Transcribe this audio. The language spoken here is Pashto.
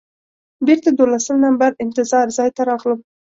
بېرته دولسم نمبر انتظار ځای ته راغلم.